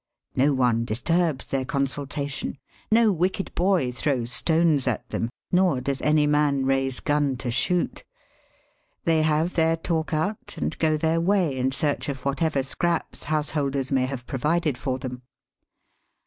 No one disturbs their consultation. No wicked boy throws stones at them, nor does any man raise gun to shoot. They have their talk out and go their way in search of whatever scraps house holders may have provided for them.